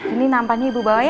ini nampaknya ibu bawa ya